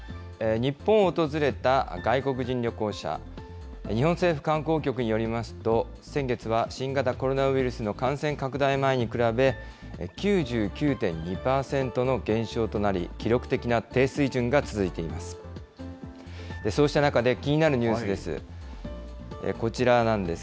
日本政府観光局によりますと、先月は新型コロナウイルスの感染拡大前に比べ、９９．２％の減少となり、記録的な低水準が続いています。